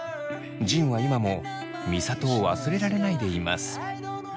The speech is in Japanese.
仁は今も美里を忘れられないでいます。